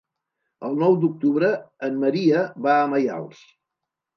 El nou d'octubre en Maria va a Maials.